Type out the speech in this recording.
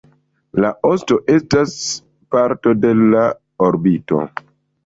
La osto estas parto de la orbito.